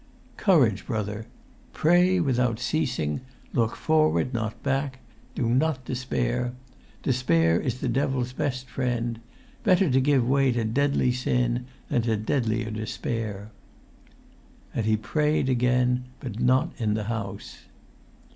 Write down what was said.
"Courage, brother! Pray without ceasing. Look forward, not back; do not despair. Despair is the devil's best friend; better give way to deadly sin than to deadlier despair!" And he prayed again; but not in the house.